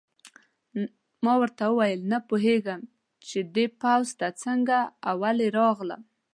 ما ورته وویل: نه پوهېږم چې دې پوځ ته څنګه او ولې راغلم.